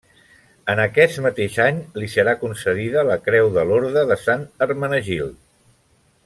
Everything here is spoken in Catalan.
En aquest mateix any li serà concedida la creu de l'Orde de Sant Hermenegild.